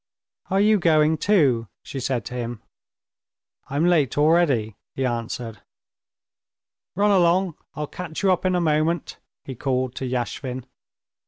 "Are you going too?" she said to him. "I'm late already," he answered. "Run along! I'll catch you up in a moment," he called to Yashvin.